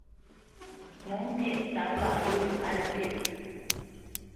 Ŋo pyêʼ tsâp lâʼ yōa zyéʼ.